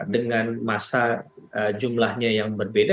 dengan masa jumlahnya yang berbeda